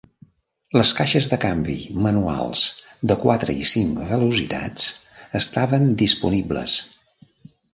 Les caixes de canvi manuals de quatre i cinc velocitats estaven disponibles.